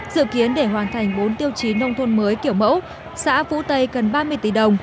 dự kiến để hoàn thành bốn tiêu chí nông thôn mới kiểu mẫu xã phú tây cần ba mươi tỷ đồng